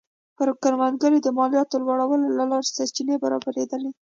پر کروندګرو د مالیاتو لوړولو له لارې سرچینې برابرېدلې